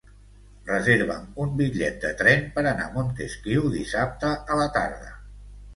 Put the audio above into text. Reserva'm un bitllet de tren per anar a Montesquiu dissabte a la tarda.